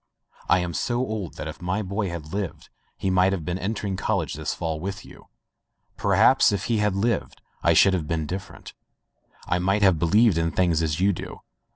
I am so old that — ^if my boy had lived he might have been entering college this fall with you. Perhaps if he had lived I should have been different. I might have believed in things as you do.